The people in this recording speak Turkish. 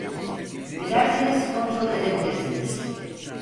Dilerseniz kontrol edebilirsiniz